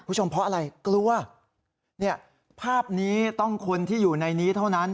คุณผู้ชมเพราะอะไรกลัวเนี่ยภาพนี้ต้องคนที่อยู่ในนี้เท่านั้น